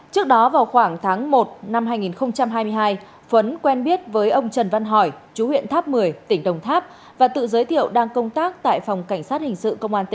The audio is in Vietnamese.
trước đó vào khoảng tháng một năm hai nghìn hai mươi hai phấn quen biết với ông trần văn hỏi chú huyện tháp một mươi tỉnh đồng tháp và tự giới thiệu đang công tác tại phòng cảnh sát hình sự công an tỉnh